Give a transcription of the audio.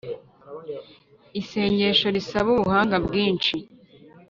Isengesho risaba Ubuhanga bwinshi